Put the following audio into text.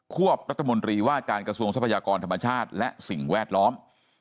วบรัฐมนตรีว่าการกระทรวงทรัพยากรธรรมชาติและสิ่งแวดล้อม